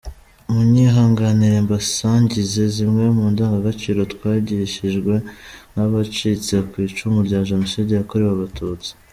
Munyihanganire mbasangize zimwe mu ndangagaciro twigishijwe nk’abacitse ku icumu rya Genocide yakorewe abatutsi.